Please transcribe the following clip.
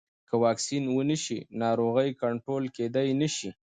که واکسین ونه شي، ناروغي کنټرول کېدای نه شي.